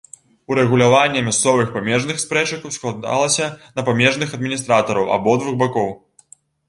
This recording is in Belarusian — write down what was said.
Урэгуляванне мясцовых памежных спрэчак ускладалася на памежных адміністратараў абодвух бакоў.